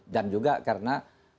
dan juga karena